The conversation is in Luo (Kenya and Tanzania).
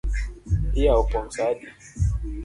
Iyawo pong’ sa adi?